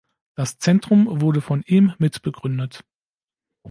Das Zentrum wurde von ihm mitbegründet.